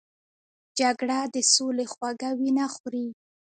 جګړه د سولې خوږه وینه خوري